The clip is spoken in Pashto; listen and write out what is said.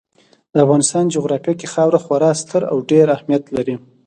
د افغانستان جغرافیه کې خاوره خورا ستر او ډېر اهمیت لري.